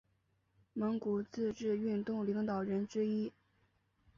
蒙古自治运动领导人之一。